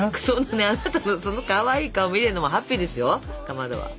あなたのそのかわいい顔見るのもハッピーですよかまどは。